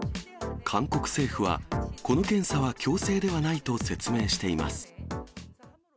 韓国政府は、この検査は強制ではないと説明しています。